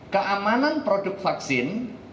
keamanan produk vaksin